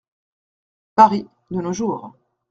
Paris, de nos jours.